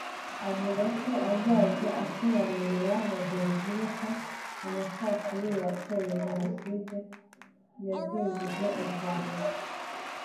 Avuga ko azajya asobanurira bagenzi be ko amacakubiri yateye Jenoside yadindije u Rwanda